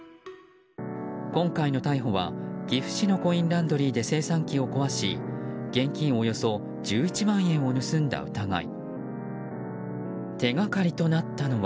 今回の逮捕は岐阜市のコインランドリーで精算機を壊し現金およそ１１万円を盗んだ疑い。